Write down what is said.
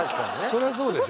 そりゃそうでしょう。